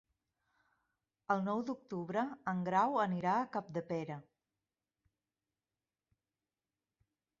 El nou d'octubre en Grau anirà a Capdepera.